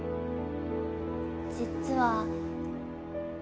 実は。